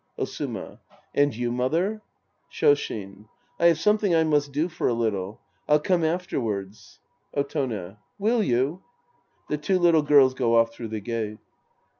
Osuma. And you, mother ? Shoshin. I have something I must do for a little. I'll come afterwards. Otone. Will you ? (Xhe two little girls go off through the gate.)